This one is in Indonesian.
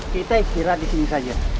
kita ikhira disini saja